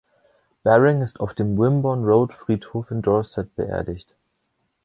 Baring ist auf dem Wimborne Road Friedhof in Dorset beerdigt.